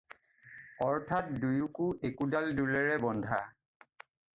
অৰ্থাৎ দুইকো একোডাল ডোলেৰে বন্ধা।